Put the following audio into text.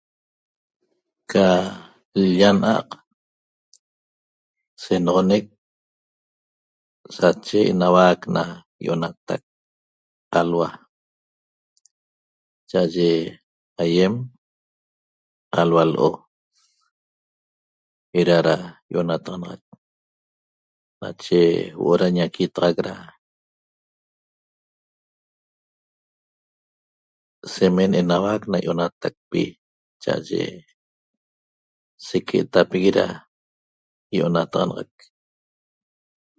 Ca l-lla na'aq senoxonec sache enauac na ýí'onatac alhua cha'aye aýem alhua l'o eda da ýi'onataxanaxac nache huo'o da ñaquitaxac da semen enauac na ýi'onatacpi cha'aye seque'etapigui da ýi'onataxanaxac